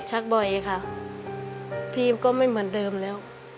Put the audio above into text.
บ่อยค่ะพี่ก็ไม่เหมือนเดิมแล้ว